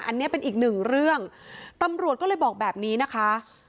อันนี้เป็นอีกหนึ่งเรื่องตำรวจก็เลยบอกแบบนี้นะคะ